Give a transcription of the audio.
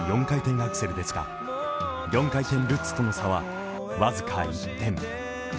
４回転アクセルですが、４回転ルッツとの差は僅か１点。